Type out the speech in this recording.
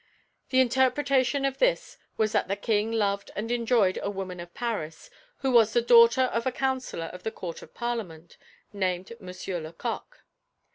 The interpretation of this was that the King loved and enjoyed a woman of Paris, who was the daughter of a counsellor of the Court of Parliament, named Monsieur le Coq.